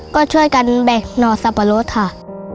ก็ช่วยกันแบบนอนสรรพรสครับ